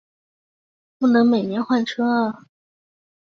不能每年换车